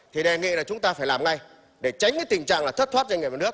thì đề nghị là chúng ta phải làm ngay để tránh cái tình trạng là thất thoát doanh nghiệp nhà nước